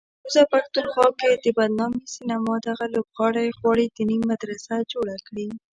کوزه پښتونخوا کې د بدنامې سینما دغه لوبغاړی غواړي دیني مدرسه جوړه کړي